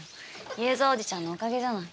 雄三おじちゃんのおかげじゃない。